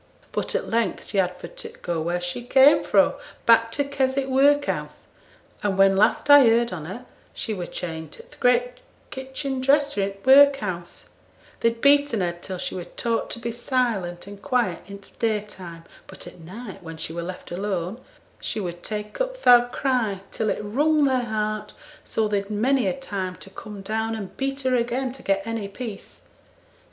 But at length she had for t' go where she came fro' back to Keswick workhouse: and when last I heerd on her she were chained to th' great kitchen dresser i' t' workhouse; they'd beaten her till she were taught to be silent and quiet i' th' daytime, but at night, when she were left alone, she would take up th' oud cry, till it wrung their heart, so they'd many a time to come down and beat her again to get any peace.